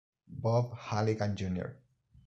Bob Halligan Jr.